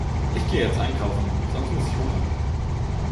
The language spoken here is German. Ich gehe jetzt einkaufen, sonst muss ich hungern.